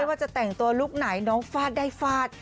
ว่าจะแต่งตัวลูกไหนน้องฟาดได้ฟาด